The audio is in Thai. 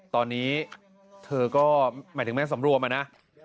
ตอนนี้มาถึงแม่สำรวมนะ